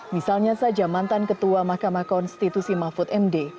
misalnya saja mantan ketua mahkamah konstitusi mahfud md